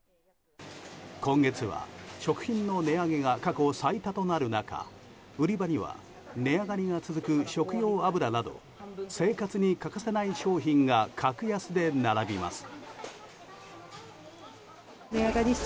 今月は食品の値上げが過去最多となる中売り場には値上がりが続く食用油など生活に欠かせない商品が格安で並びます。